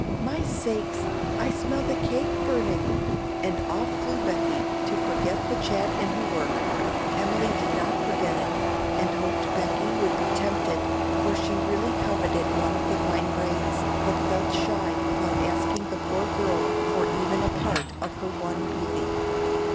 My sakes! I smell the cake burning!" and off flew Becky to forget the chat in her work. Emily did not forget it, and hoped Becky would be tempted, for she really coveted one of the fine braids, but felt shy about asking the poor girl for even a part of her one beauty.